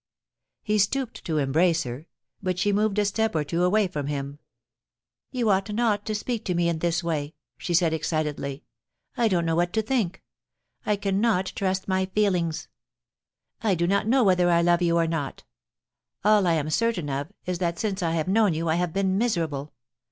He stooped to embrace her, but she moved a step or two away from him. * You ought not to speak to me in this way,' she said excitedly. * I don't know what to think. I cannot trust my feelings. I do not know whether I love you or not All I am certain of is that since I have known you I have been miserable.